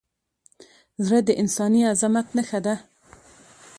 زړه د انساني عظمت نښه ده.